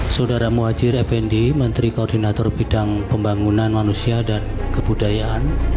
saudara muhajir effendi menteri koordinator bidang pembangunan manusia dan kebudayaan